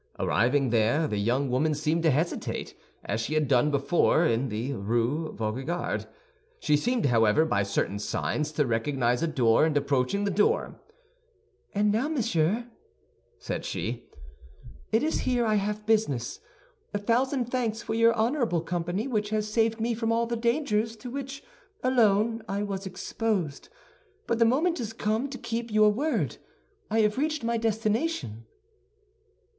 Arriving there, the young woman seemed to hesitate, as she had before done in the Rue Vaugirard. She seemed, however, by certain signs, to recognize a door, and approaching that door, "And now, monsieur," said she, "it is here I have business; a thousand thanks for your honorable company, which has saved me from all the dangers to which, alone, I was exposed. But the moment is come to keep your word; I have reached my destination."